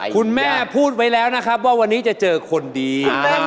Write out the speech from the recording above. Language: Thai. คุณแม่พูดไว้แล้วนะครับว่าวันนี้จะเจอคนดี